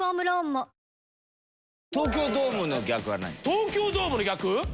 東京ドームの逆は何？